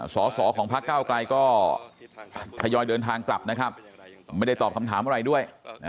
สอสอของพักเก้าไกลก็ทยอยเดินทางกลับนะครับไม่ได้ตอบคำถามอะไรด้วย